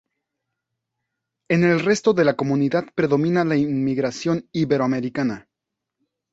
En el resto de la Comunidad predomina la inmigración iberoamericana.